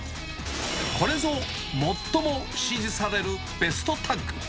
これぞ最も支持されるベストタッグ。